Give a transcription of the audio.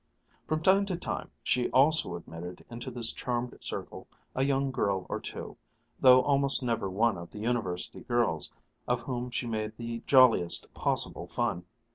From time to time she also admitted into this charmed circle a young girl or two, though almost never one of the University girls, of whom she made the jolliest possible fun.